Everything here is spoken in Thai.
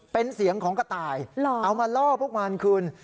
เป็นเสียงของกระต่ายเอามาล่อพวกมันคืน